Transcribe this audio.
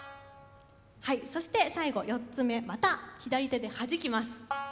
そして最後４つ目また左手ではじきます。